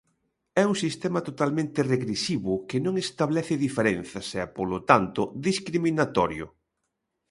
É un sistema totalmente regresivo que non establece diferenzas e, polo tanto, discriminatorio.